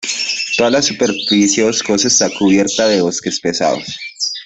Toda la superficie boscosa está cubierta de bosques pesados.